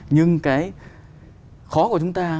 nhưng cái khó của chúng ta